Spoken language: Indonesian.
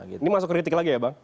ini masuk kritik lagi ya bang